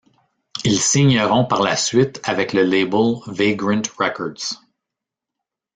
Ils signeront par la suite avec le label Vagrant Records.